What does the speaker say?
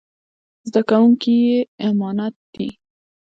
زده کوونکي يې امانت دي.